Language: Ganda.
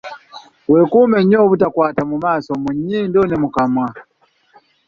Weekuume nnyo obutakwata mu maaso, mu nnyindo ne ku mumwa.